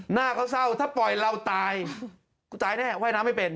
หน้าเขาเศร้าถ้าปล่อยเราตายกูตายแน่ว่ายน้ำไม่เป็น